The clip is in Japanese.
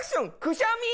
くしゃみ？